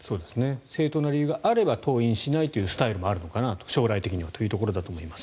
正当な理由があれば登院しないというスタイルもあるのかなと、将来的にはというところだと思います。